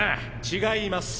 違います！